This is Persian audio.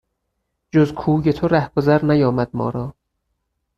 جز کوی تو رهگذر نیامد ما را